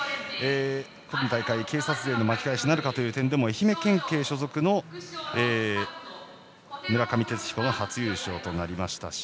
今大会、警察勢の巻き返しなるかという点でも愛媛県警所属の村上哲彦が初優勝となりましたし